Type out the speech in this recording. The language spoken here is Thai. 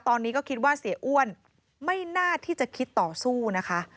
ตอนนี้ก็คิดว่าเสียอ้วนไม่น่าที่จะคิดต่อสู้นะคะ